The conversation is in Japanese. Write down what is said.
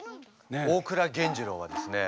大倉源次郎はですね